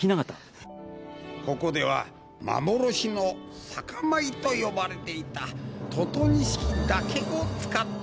ここでは「幻の酒米」と呼ばれていた「とと錦」だけを使って。